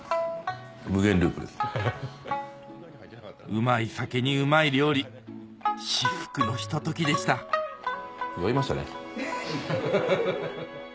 うまい酒にうまい料理至福のひとときでした酔いましたね。